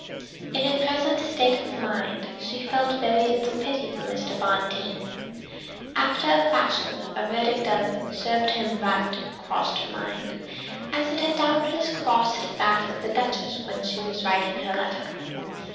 In her present frame of mind she felt very little pity for Mr. Bonteen. After a fashion a verdict of "served him right" crossed her mind, as it had doubtless crossed that of the Duchess when she was writing her letter.